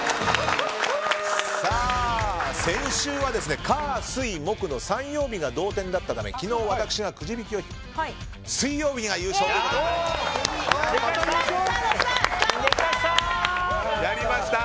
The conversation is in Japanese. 先週は、火水木の３曜日が同点だったため昨日、私がくじ引きをして水曜日が優勝ということになりました。